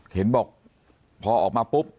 เห็นบอกพอออกมาปุ๊บ